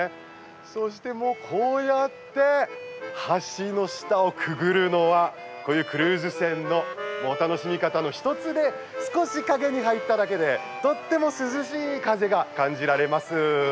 そして、こうやって橋の下をくぐるのはクルーズ船の楽しみ方の一つで少し、影に入っただけでとっても涼しい風が感じられます。